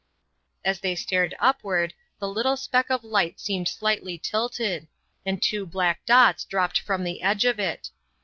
As they stared upward the little speck of light seemed slightly tilted, and two black dots dropped from the edge of it.